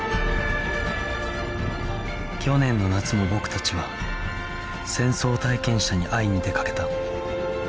去年の夏も僕たちは戦争体験者に会いに出かけた